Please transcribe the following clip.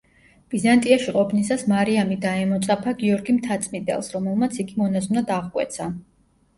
ბიზანტიაში ყოფნისას მარიამი დაემოწაფა გიორგი მთაწმიდელს, რომელმაც იგი მონაზვნად აღკვეცა.